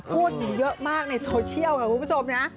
พูดอยู่เยอะมากในโซเชียลกับผู้ชมนะ